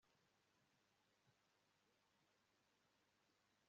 ingano z'umucanga wa zahabu-